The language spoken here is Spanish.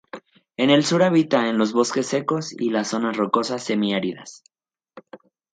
En el sur habita en los bosques secos y las zonas rocosas semiáridas.